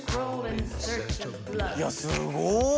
いやすごっ！